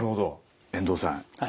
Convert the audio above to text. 遠藤さん